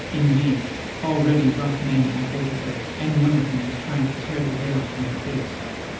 Indeed, already rough men had hold of her, and one of them was trying to tear the veil from her face.